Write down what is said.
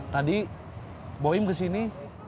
tadi bawa em kesini